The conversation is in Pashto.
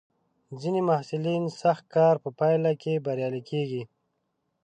ځینې محصلین د سخت کار په پایله کې بریالي کېږي.